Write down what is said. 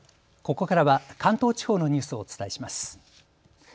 ここからは関東地方のニュースをお伝えします。